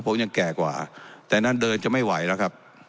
ผมยังแก่กว่าแต่นั้นเดินจะไม่ไหวแล้วครับ